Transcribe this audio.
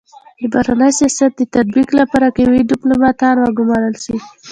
د بهرني سیاست د تطبیق لپاره قوي ډيپلوماتان و ګمارل سي.